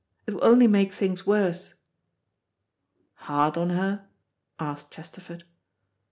It will only make things worse." "Hard on her?" asked Chesterford.